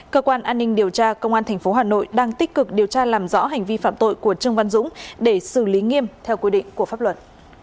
cơ quan an ninh điều tra công an tp hà nội đang tích cực điều tra làm rõ hành vi phạm tội của trương văn dũng để xử lý nghiêm theo quy định của pháp luật